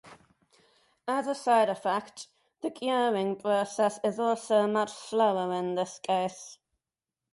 As a side-effect, the curing process is also much slower in this case.